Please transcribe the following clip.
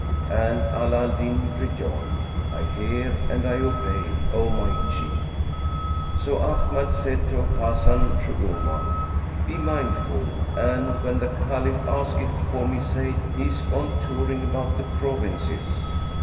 And Ala al Din rejoined, "I hear and I obey, O my chief." So Ahmad said to Hasan Shuuman, "Be mindful and, when the Caliph asketh for me, say, 'He is gone touring about the provinces'."